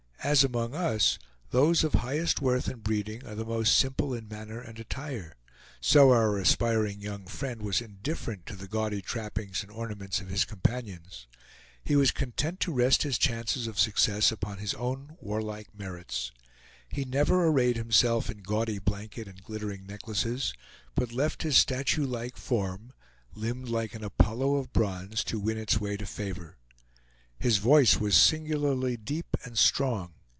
As among us those of highest worth and breeding are most simple in manner and attire, so our aspiring young friend was indifferent to the gaudy trappings and ornaments of his companions. He was content to rest his chances of success upon his own warlike merits. He never arrayed himself in gaudy blanket and glittering necklaces, but left his statue like form, limbed like an Apollo of bronze, to win its way to favor. His voice was singularly deep and strong.